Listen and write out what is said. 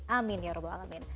amin ya rabbal alamin